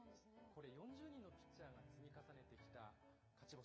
これは４０人のピッチャーが積み重ねてきた勝ち星。